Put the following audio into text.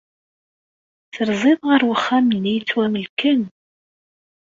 Terziḍ ɣef wexxam-nni yettwamelken?